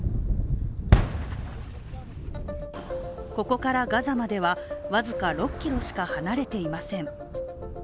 ここからガザまでは僅か６ｋｍしか離れていません。